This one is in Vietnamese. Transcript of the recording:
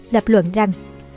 đập luận rằng